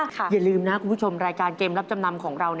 อย่าลืมนะคุณผู้ชมรายการเกมรับจำนำของเรา